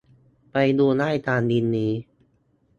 ไปดูได้ตามลิงก์นี้